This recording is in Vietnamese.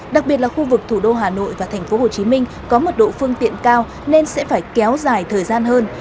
đặc biệt là khu vực thủ đô hà nội và thành phố hồ chí minh có mật độ phương tiện cao nên sẽ phải kéo dài thời gian hơn